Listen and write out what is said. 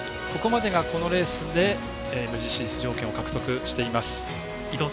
ここまでがこのレースでＭＧＣ出場権を獲得しています。